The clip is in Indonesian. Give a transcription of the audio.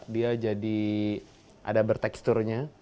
dia jadi ada berteksturnya